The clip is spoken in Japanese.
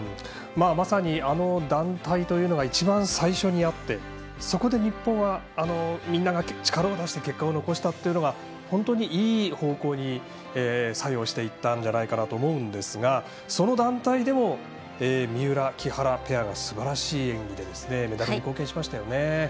まさにあの団体というのが一番最初にあって、そこで日本はみんなが力を出して結果を残したというのが本当にいい方向に作用していったんじゃないかなと思うんですがその団体でも三浦、木原ペアがすばらしい演技でメダルに貢献しましたよね。